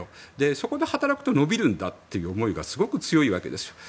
そこで働くと伸びるんだという思いがすごく強いわけです。